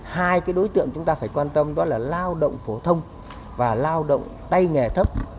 hai đối tượng chúng ta phải quan tâm đó là lao động phổ thông và lao động tay nghề thấp